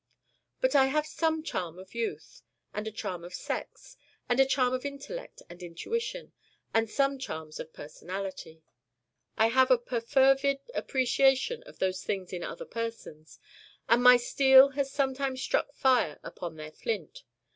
But I have some charm of youth, and a charm of sex, and a charm of intellect and intuition, and some charms of personality. I have a perfervid appreciation of those things in other persons. And my steel has sometime struck fire from their flint.